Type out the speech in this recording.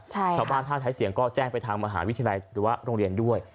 ชาวบ้านถ้าใช้เสียงก็แจ้งไปทางมหาวิทยาลัยหรือว่าโรงเรียนด้วย